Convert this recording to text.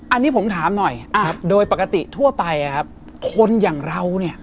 อันนี้ผมถามหน่อยโดยปกติทั่วไปคนอย่างเราเนี่ย